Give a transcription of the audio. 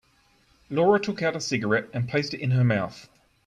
Laura took out a cigarette and placed it in her mouth.